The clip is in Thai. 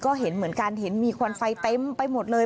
ก็เห็นเหมือนกันเห็นมีควันไฟเต็มไปหมดเลย